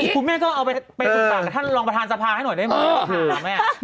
คุณแม่ก็เอาไปส่งปากกับท่านรองประธานสภาให้หน่อยได้ไหม